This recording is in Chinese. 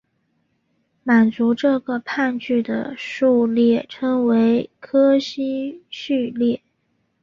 满足这个判据的数列称为柯西序列。